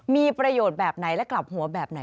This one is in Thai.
มีประโยชน์แบบไหนและกลับหัวแบบไหน